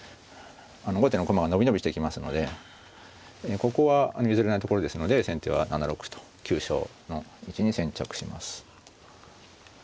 後手の駒が伸び伸びしてきますのでここは譲れないところですので先手は７六歩と急所の位置に先着します。